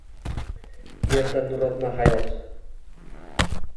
Erta nuratma hayot